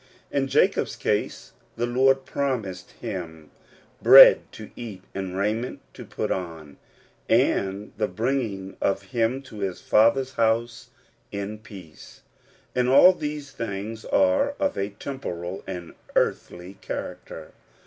In Jacob's case the Lord promised him tread to eat, and raiment to put on, and the bring ing of him to his father's house in peace ; and all these things are of a temporal and earthly character.